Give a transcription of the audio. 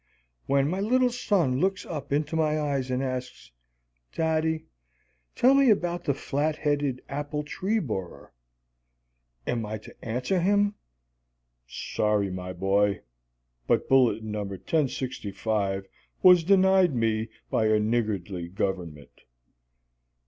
When my little son looks up into my eyes and asks, "Daddy, tell me about the flat headed apple tree borer," am I to answer him: "Sorry, my boy, but Bulletin No. 1065 was denied me by a niggardly government?"